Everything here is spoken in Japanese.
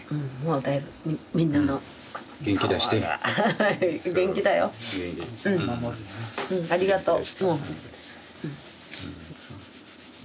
うんありがとう。